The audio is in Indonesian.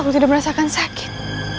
aku tidak merasakan sakit